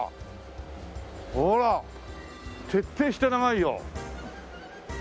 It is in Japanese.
ほら。徹底して長いよ。